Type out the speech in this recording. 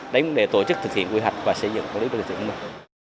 đến mối đề tổ chức thực hiện quy hạch và xây dựng đô thị thông minh